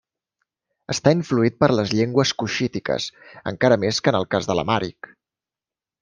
Està influït per les llengües cuixítiques, encara més que en el cas de l'amhàric.